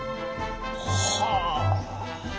はあ。